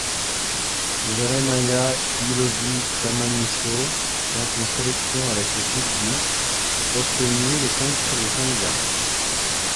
Jeremaiya Tuilevu Tamanisau compte une sélection avec les Fidji, obtenue le contre les Tonga.